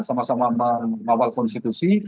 sama sama mengawal konstitusi